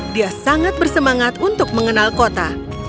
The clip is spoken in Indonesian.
dia sangat bersemangat untuk mengenal kota